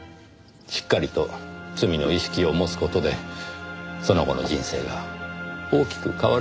しっかりと罪の意識を持つ事でその後の人生が大きく変わるはずですから。